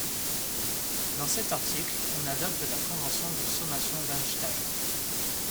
Dans cet article on adopte la convention de sommation d'Einstein.